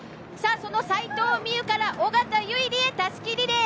その齋藤みうから尾方唯莉へたすきリレー。